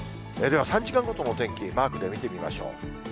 では、３時間ごとのお天気、マークで見てみましょう。